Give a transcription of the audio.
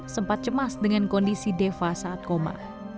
sempat cemas dengan kondisi deva saat koma